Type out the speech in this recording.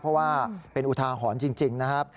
เพราะว่าเป็นอุทาหรณ์จริงนะครับ